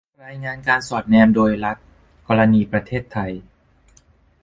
รายงานการสอดแนมโดยรัฐ - กรณีประเทศไทย